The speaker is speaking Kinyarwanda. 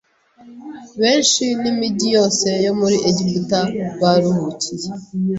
benshi n’imijyi yose yo muri Egiputa baruhukiye